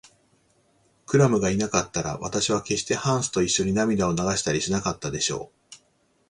クラムがいなかったら、あなたはけっしてハンスといっしょに涙を流したりしなかったでしょう。